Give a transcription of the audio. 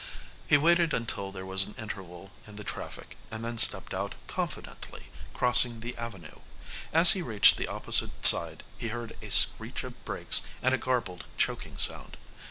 He waited until there was an interval in the traffic, and then stepped out confidently, crossing the avenue. As he reached the opposite side he heard a screech of brakes and a garbled, choking sound.